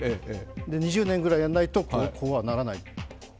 ２０年ぐらいやらないとこうはならないって。